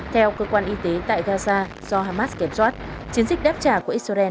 theo cơ quan y tế tại gaza do hamas kiểm soát chiến dịch đáp trả của israel